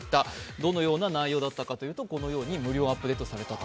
どのような内容だったかというと、このように無料アップデートされたと。